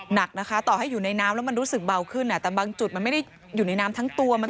หนักนะคะต่อให้อยู่ในน้ำแล้วมันรู้สึกเบาขึ้นแต่บางจุดมันไม่ได้อยู่ในน้ำทั้งตัว